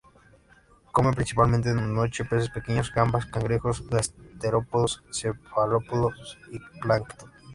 Come principalmente de noche peces pequeños, gambas, cangrejos, gasterópodos, cefalópodos y plancton.